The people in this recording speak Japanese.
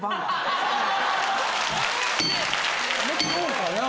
そうかなぁ。